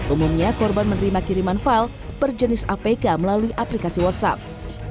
umumnya korban menerima kiriman file berjenis apk melalui aplikasi whatsapp